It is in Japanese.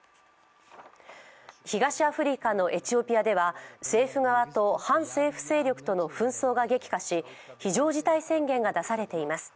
東アフリカのエチオピアでは政府側と反政府勢力との紛争が激化し、非常事態宣言が出されています。